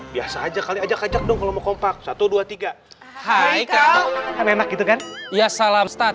biasa aja kali ajak ajak dong kalau mau kompak satu dua tiga hai kan enak gitu kan ya salam start